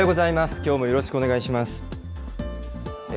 きょうもよろしくお願いします。